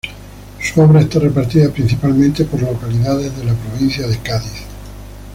Su obra está repartida principalmente por localidades de la provincia de Cádiz.